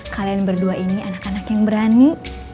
kalian berdua ini anak anak yang berani